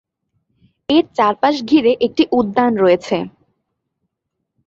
এর চারপাশ ঘিরে একটি উদ্যান রয়েছে।